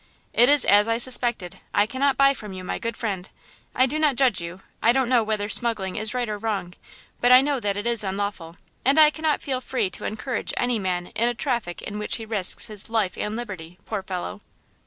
"It is as I suspected! I cannot buy from you, my good friend. I do not judge you–I don't know whether smuggling is right or wrong, but I know that it is unlawful, and I cannot feel free to encourage any man in a traffic in which he risks his life and liberty, poor fellow!"